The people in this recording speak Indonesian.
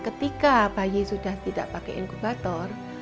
ketika bayi sudah tidak pakai inkubator